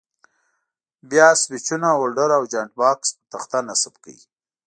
بیا سویچونه، هولډر او جاینټ بکس پر تخته نصب کړئ.